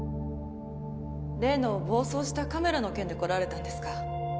例の暴走したカメラの件で来られたんですか？